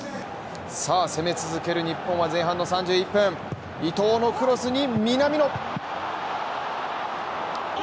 攻め続ける日本は前半の３１分、伊東のクロスに南野。